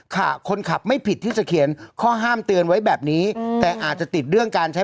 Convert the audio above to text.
ค่ะคนขับไม่ผิดที่จะเขียนข้อห้ามเตือนไว้แบบนี้แต่อาจจะติดเรื่องการใช้